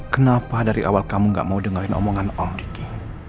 kenapa dari awal kamu gak mau dengerin omongan om riki